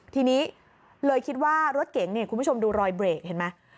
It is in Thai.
ทีนี้เลยคิดว่ารถเก๋งเนี่ยคุณผู้ชมดูรอยเบรกเห็นไหม